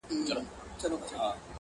• لمر لوېدلی وو هوا تیاره کېدله ,